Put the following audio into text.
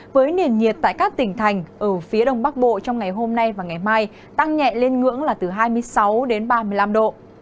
với nền nhiệt tại các tỉnh thành ở phía đông bắc bộ trong ngày hôm nay và ngày mai tăng nhẹ lên ngưỡng là từ hai mươi sáu đến ba mươi năm độ